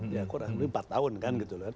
ya kurang lebih empat tahun kan gitu loh